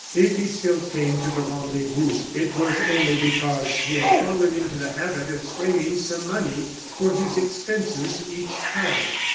If he still came to the rendezvous, it was only because he had fallen into the habit of claiming some money for his expenses each time.